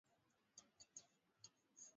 wakati wa ziara yake ya kukagua